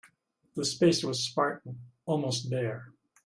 The space was spartan, almost bare.